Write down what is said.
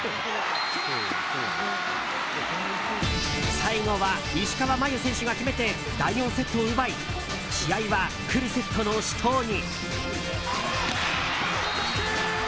最後は石川真佑選手が決めて第４セットを奪い試合はフルセットの死闘に。